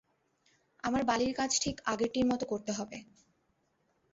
আমার বালির কাজ ঠিক আগেকারটির মতো হতে হবে।